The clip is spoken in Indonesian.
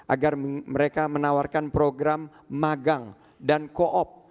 agar mereka menawarkan program magang dan co op